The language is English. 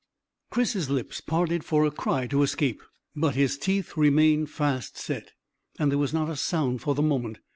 Chris's lips parted for a cry to escape, but his teeth remained fast set, and there was not a sound for the moment.